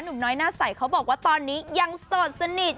หนุ่มน้อยหน้าใสเขาบอกว่าตอนนี้ยังโสดสนิท